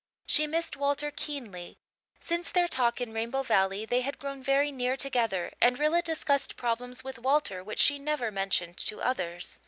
She missed Walter keenly; since their talk in Rainbow Valley they had grown very near together and Rilla discussed problems with Walter which she never mentioned to others.